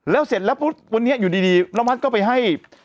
แล้วเสร็จแล้วปุ๊บวันนี้อยู่ดีน้องมัดก็ไปให้